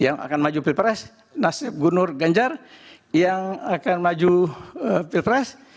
yang akan maju pilpres nasib gubernur ganjar yang akan maju pilpres